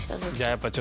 やっぱり